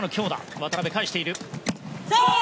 渡辺、返している。